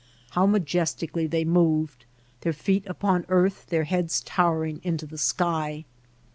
How majestically they moved, their feet upon earth, their heads towering into the sky